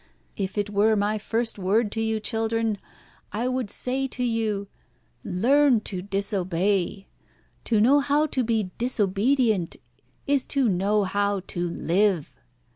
If it were my first word to you, children, I would say to you learn to disobey. To know how to be disobedient is to know how to live."